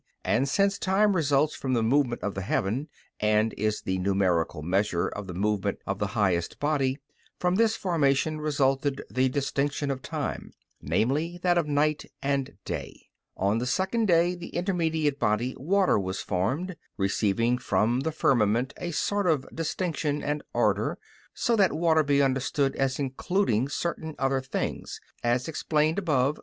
And since time results from the movement of the heaven, and is the numerical measure of the movement of the highest body, from this formation, resulted the distinction of time, namely, that of night and day. On the second day the intermediate body, water, was formed, receiving from the firmament a sort of distinction and order (so that water be understood as including certain other things, as explained above (Q.